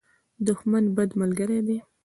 دښمن، بد ملګری دی.